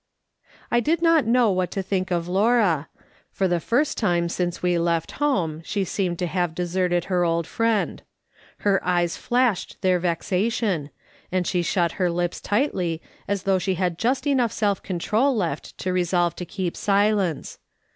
I did not know what to think of Laura ; for the first time since we left home, she seemed to have deserted her old friend. Her eyes flashed their vexa tion, and she shut her lips tightly as though she had just enough self control left to resolve to keep silence.